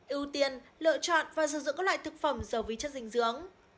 ưu tiên lựa chọn và sử dụng các loại thực phẩm dầu vi chất dinh dưỡng